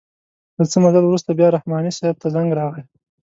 له څه مزل وروسته بیا رحماني صیب ته زنګ راغئ.